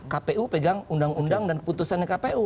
karena kpu pegang undang undang dan putusannya kpu